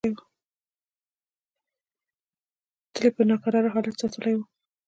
تل یې په ناکراره حالت کې ساتلې وه.